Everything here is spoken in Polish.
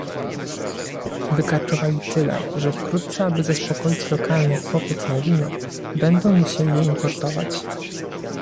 Wykarczowali tyle, że wkrótce aby zaspokoić lokalny popyt na wino będą musieli je importować